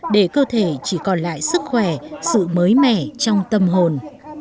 để cơ thể chỉ còn lại sức khỏe sự mới mẻ trong tâm hồn